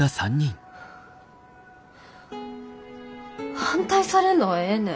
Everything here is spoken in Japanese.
反対されんのはええねん。